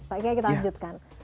pak geyi kita lanjutkan